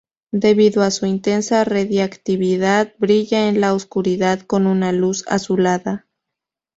Debido a su intensa radiactividad brilla en la oscuridad con una luz azulada.